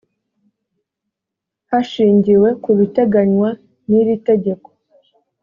hashingiwe ku biteganywa n iri tegeko